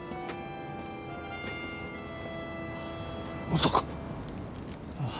まさか